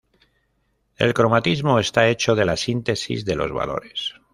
El cromatismo está hecho de la síntesis de los valores.